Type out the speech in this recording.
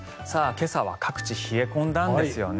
今朝は各地で冷え込んだんですよね。